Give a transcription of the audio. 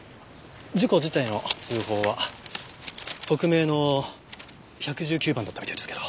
事故自体の通報は匿名の１１９番だったみたいですけど。